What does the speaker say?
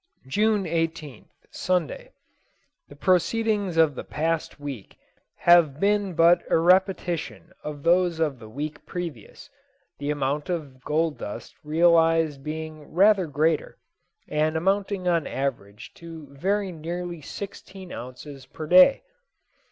June 18th, Sunday. The proceedings of the past week have been but a repetition of those of the week previous, the amount of gold dust realised being rather greater, and amounting on an average to very nearly sixteen ounces per day.